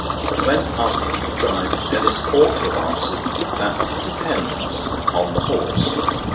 When asked if he could drive, Ellis ought to have answered: 'That depends on the horse.'